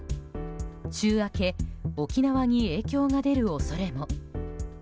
週明け沖縄に影響が出る恐れも。